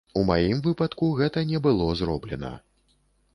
У маім выпадку гэта не было зроблена.